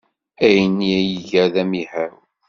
Ayen ay iga d amihaw.